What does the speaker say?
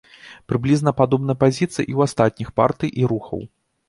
Прыблізна падобная пазіцыя і ў астатніх партый і рухаў.